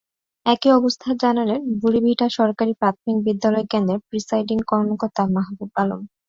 একই অবস্থা জানালেন বুড়িভিটা সরকারি প্রাথমিক বিদ্যালয় কেন্দ্রের প্রিসাইডিং কর্মকর্তা মাহবুব আলম।